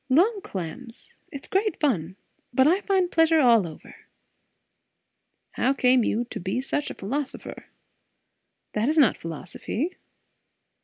Long clams. It's great fun. But I find pleasure all over." "How come you to be such a philosopher?" "That is not philosophy."